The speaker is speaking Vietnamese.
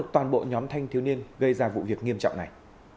thanh thiếu niên gây ra vụ việc nghiêm trọng này